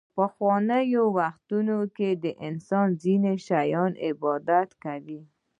په پخوانیو وختونو کې انسانانو د ځینو شیانو عبادت کاوه